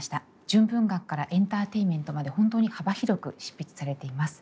純文学からエンターテインメントまで本当に幅広く執筆されています。